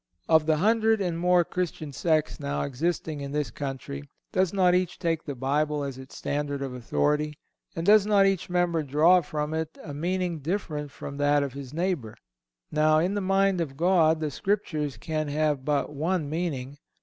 Of the hundred and more Christian sects now existing in this country, does not each take the Bible as its standard of authority, and does not each member draw from it a meaning different from that of his neighbor? Now, in the mind of God the Scriptures can have but one meaning.